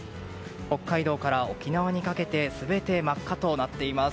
北海道から沖縄にかけて全て真っ赤になっています。